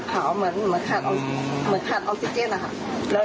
ขาวเหมือนขาดออสเซ็จฟังนะครับ